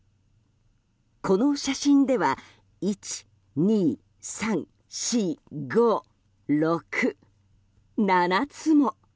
この写真では１、２、３、４５、６７つも！